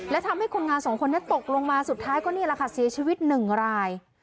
และทำให้คนงานสองคนนี้ตกลงมาสุดท้ายก็นี่แหละค่ะเสียชีวิตหนึ่งราย